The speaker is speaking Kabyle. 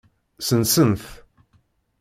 Sensen-t.